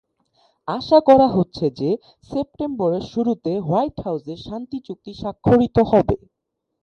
আশা করা হচ্ছে যে সেপ্টেম্বরের শুরুতে হোয়াইট হাউসে শান্তি চুক্তি স্বাক্ষরিত হবে।